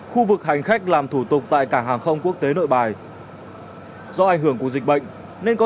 khu vực hành khách làm thủ tục tại cảng hàng không quốc tế nội bài do ảnh hưởng của dịch bệnh nên có